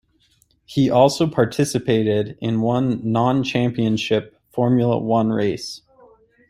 He also participated in one non-Championship Formula One race.